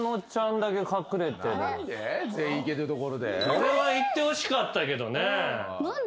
これはいってほしかったけどね。